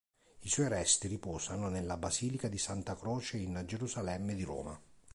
I suoi resti riposano nella basilica di Santa Croce in Gerusalemme di Roma.